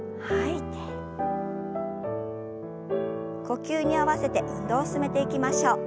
呼吸に合わせて運動を進めていきましょう。